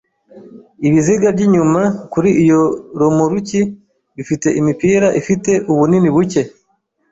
Ibiziga byinyuma kuri iyo romoruki bifite imipira ifite ubunini buke.